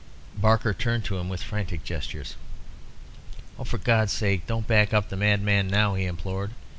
Barker turned to him with frantic gestures. "For God's sake don't back up the madman now," he implored.